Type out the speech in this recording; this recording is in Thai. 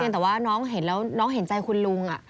แต่ว่าน้องเห็นแล้วน้องเห็นใจคุณลุง